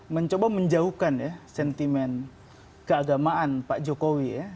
mencoba menjauhkan ya sentimen keagamaan pak jokowi ya